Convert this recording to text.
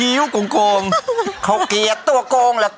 พ่มโผออกมาจากฉาก